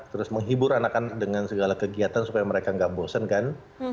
terus menghibur anak anak dengan segala kegiatan supaya mereka nggak bosen kan